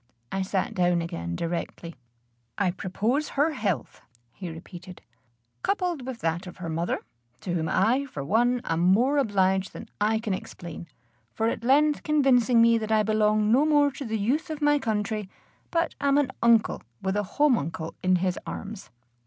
I sat down again directly. "I propose her health," he repeated, "coupled with that of her mother, to whom I, for one, am more obliged than I can explain, for at length convincing me that I belong no more to the youth of my country, but am an uncle with a homuncle in his arms."